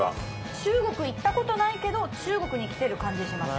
中国行ったコトないけど中国に来てる感じがします。